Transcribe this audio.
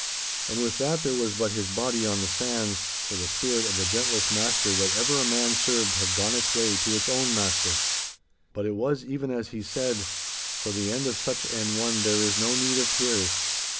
And with that there was but his body on the sands, for the spirit of the gentlest master that ever a man served had gone its way to its own Master. But it was even as he said—for the end of such an one there is no need of tears.